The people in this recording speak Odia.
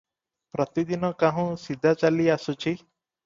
ପ୍ରତିଦିନ କାହୁଁ ସିଦା ଚାଲି ଆସୁଛି ।